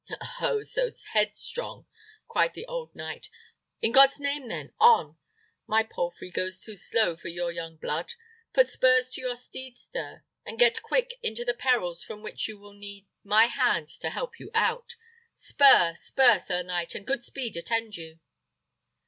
"Ho, ho! so headstrong!" cried the old knight. "I' God's name, then, on! My palfrey goes too slow for your young blood. Put spurs to your steed, sir, and get quick into the perils from which you will need my hand to help you out. Spur, spur, sir knight; and good speed attend you!"